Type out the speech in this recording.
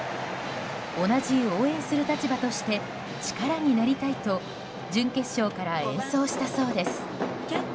同じ応援する立場として力になりたいと準決勝から演奏したそうです。